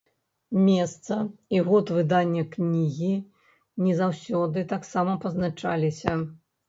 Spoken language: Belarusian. Месца і год выдання кнігі не заўсёды таксама пазначалася.